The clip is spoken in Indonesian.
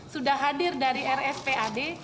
sudah hadir dari rspad